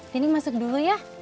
tini masuk dulu ya